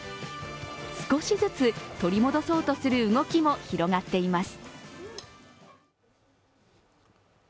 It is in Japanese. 少しずつ取り戻そうとする動きも広がっています。